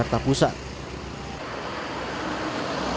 pertama pelaku yang tersebut ditetapkan sebagai tersangka